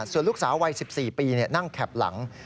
ส่วนลูกสาววัย๑๔ปีนั่งแข็บหลัง